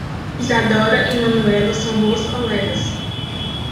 Isadora e Manuela são boas colegas.